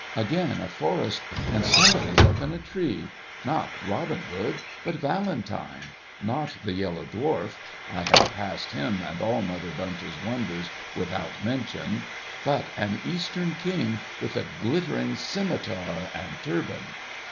Again a forest, and somebody^up in a tree — not Robin Hood, not Valentine, not the Yellow Dwarf (I have passed him and all Mother Bunch's wonders, without mention), but an Eastern King with a glittering scimitar and turban.